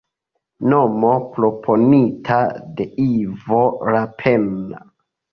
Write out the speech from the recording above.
Nomo proponita de Ivo Lapenna.